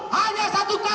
hanya satu kata